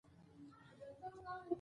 ذهنې فشار د مزاج پر روغتیا اغېز کوي.